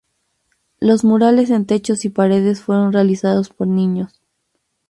Los murales en techos y paredes fueron realizados por niños.